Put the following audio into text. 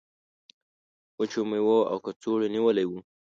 وچو میوو او کڅوړو نیولی و.